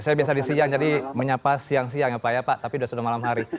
saya biasa di siang jadi menyapa siang siang ya pak ya pak tapi sudah malam hari